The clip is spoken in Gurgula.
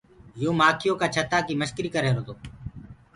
يو مآکيو ڪآ ڇتآ ڪي مسڪري ڪر رهيرو تو۔